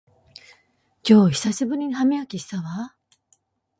今日久しぶりに歯磨きしたわ